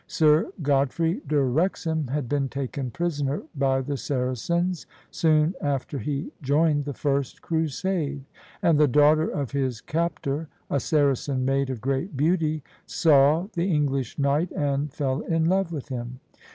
Sir Godfrey de Rexham had been taken prisoner by the Saracens, soon after he joined the first Crusade: and the daughter of his captor — a Saracen maid of great beauty — saw the English knight and fell in love with him.